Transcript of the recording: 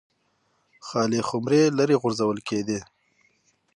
خالي خُمرې لرې غورځول کېدې.